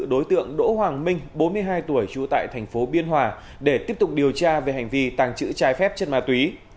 đối tượng đỗ hoàng minh bốn mươi hai tuổi trụ tại tp biên hòa để tiếp tục điều tra về hành vi tàng trữ trái phép chân ma túy